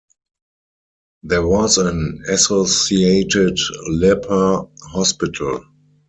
There was an associated leper hospital.